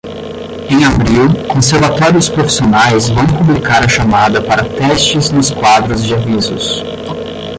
Em abril, conservatórios profissionais vão publicar a chamada para testes nos quadros de avisos.